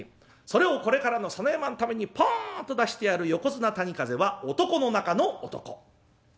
それをこれからの佐野山のためにポンと出してやる横綱谷風は男の中の男。